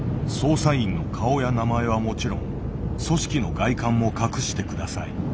「捜査員の顔や名前はもちろん組織の外観も隠して下さい」。